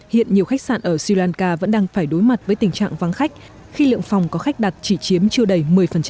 hiện nhiều khách sạn ở sri lanka vẫn đang phải đối mặt với tình trạng vắng khách khi lượng phòng có khách đặt chỉ chiếm chưa đầy một mươi